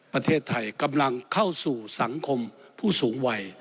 ประเทศไทยกำลังเข้าสู่สังคมผู้สูงวัย